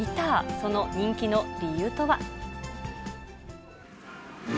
その人気の理由とは。